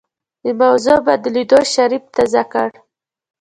د موضوع بدلېدو شريف تازه کړ.